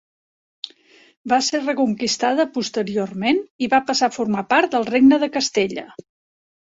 Va ser reconquistada posteriorment, i va passar a formar part del Regne de Castella.